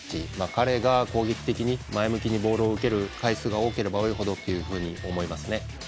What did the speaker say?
彼が攻撃的に前向きにボールを受ける回数が多ければ多いほどと思いますね。